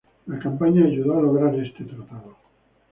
La campaña ayudó a lograr este tratado.